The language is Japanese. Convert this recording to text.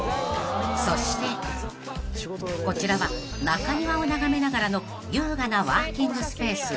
［そしてこちらは中庭を眺めながらの優雅なワーキングスペース］